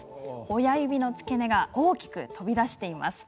親指の付け根が大きく飛び出しています。